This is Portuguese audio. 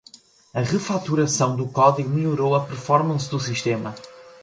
A refatoração do código melhorou a performance do sistema.